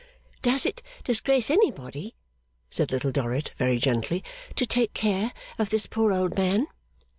'Does it disgrace anybody,' said Little Dorrit, very gently, 'to take care of this poor old man?